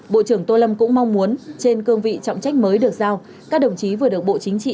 bộ trưởng tô lâm cũng mong muốn trên cương vị trọng trách mới được giao các đồng chí vừa được bộ chính trị